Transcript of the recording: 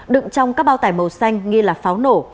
đựng trong các bao tải màu xanh nghi là pháo nổ